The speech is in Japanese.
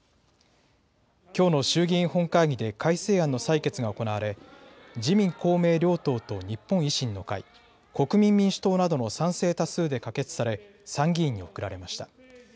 きょうの衆議院本会議で改正案の採決が行われ自民公明両党と日本維新の会、国民民主党などの賛成多数で可決され参議院に送られました。